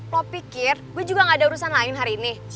lo pikir gue juga gak ada urusan lain hari ini